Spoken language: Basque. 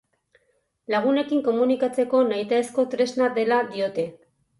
Lagunekin komunikatzeko nahitaezko tresna dela diote.